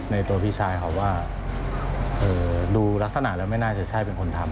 ในตัวพี่ชายเขาว่าดูลักษณะแล้วไม่น่าจะใช่เป็นคนทำ